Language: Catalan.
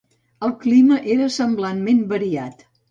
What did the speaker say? El clima era semblantment variat.